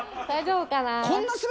大丈夫かな？